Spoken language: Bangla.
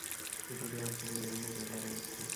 প্রতিটি অঞ্চলে বিভিন্ন জেলা রয়েছে।